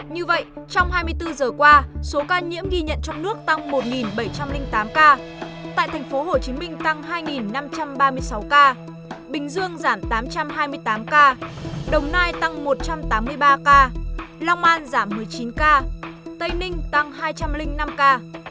như vậy trong hai mươi bốn giờ qua số ca nhiễm ghi nhận trong nước tăng một bảy trăm linh tám ca tại tp hcm tăng hai năm trăm ba mươi sáu ca bình dương giảm tám trăm hai mươi tám ca đồng nai tăng một trăm tám mươi ba ca long an giảm một mươi chín ca tây ninh tăng hai trăm linh năm ca